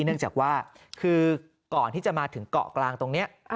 เนื่องจากว่าคือก่อนที่จะมาถึงเกาะกลางตรงนี้